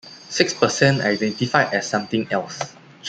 Six percent identified as something else.